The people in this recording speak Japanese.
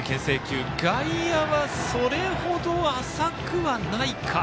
外野はそれほど浅くないか。